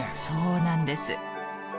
そうなんです。